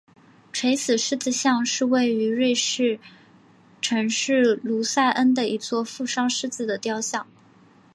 垂死狮子像是位于瑞士城市卢塞恩的一座负伤狮子的雕像。